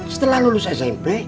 setelah lulus smp